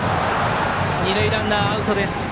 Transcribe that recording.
二塁ランナー、アウト。